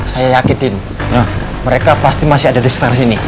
saya yakin mereka pasti masih ada di sana sini